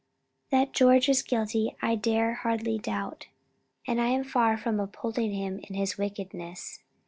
"That George is guilty, I dare hardly doubt, and I am far from upholding him in his wickedness.